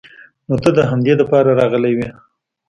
نو ته د همدې د پاره راغلې وې.